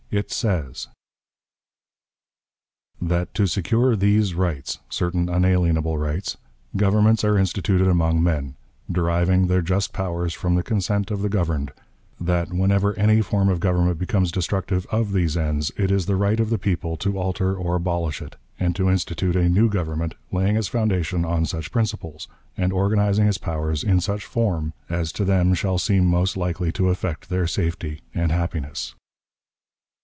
It says: "That, to secure these rights [certain unalienable rights], governments are instituted among men deriving their just powers from the consent of the governed; that, whenever any form of government becomes destructive of these ends, it is the right of the people to alter or abolish it, and to institute a new government, laying its foundation on such principles, and organizing its powers in such form, as to them shall seem most likely to effect their safety and happiness."